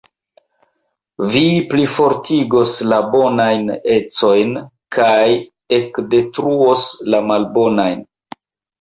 Vi plifortigos la bonajn ecojn kaj ekdetruos la malbonajn.